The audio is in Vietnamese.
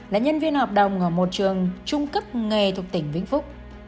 là nhân viên hợp đồng ở một trường trung cấp nghề thuộc tỉnh vĩnh phúc